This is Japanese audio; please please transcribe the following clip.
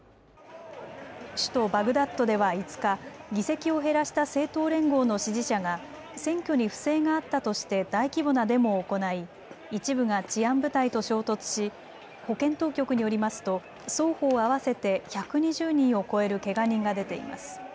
首都バグダッドでは５日、議席を減らした政党連合の支持者が選挙に不正があったとして大規模なデモを行い一部が治安部隊と衝突し、保健当局によりますと双方合わせて１２０人を超えるけが人が出ています。